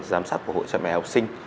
giám sát của hội cho mẹ học sinh